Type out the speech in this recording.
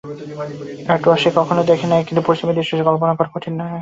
এটোয়া সে কখনো দেখে নাই–কিন্তু পশ্চিমের দৃশ্য কল্পনা করা কঠিন নহে।